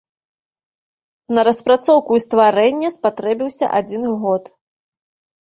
На распрацоўку і стварэнне спатрэбіўся адзін год.